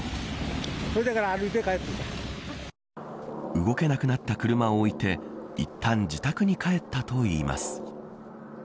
動けなくなった車を置いていったん自宅に帰ったといいます。